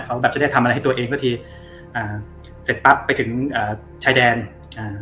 เขาแบบจะได้ทำอะไรให้ตัวเองสักทีอ่าเสร็จปั๊บไปถึงอ่าชายแดนอ่า